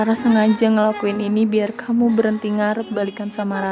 ra sengaja ngelakuin ini biar kamu berhenti ngaret balikan sama ra